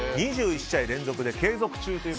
２１試合連続で継続中。